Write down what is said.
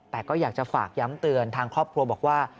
แต่ก็อยากจะฝากย้ำเตือนทางครอบครัวบอกว่า